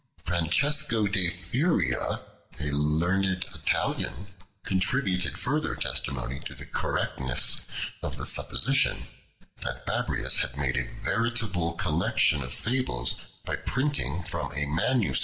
Francesco de Furia, a learned Italian, contributed further testimony to the correctness of the supposition that Babrias had made a veritable collection of fables by printing from a MS.